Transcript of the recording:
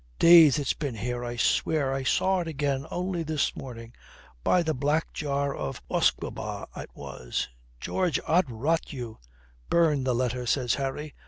Days it's been here, I swear, and I saw it again only this morning. By the black jar of usquebaugh it was, George, Od rot you." "Burn the letter," says Harry.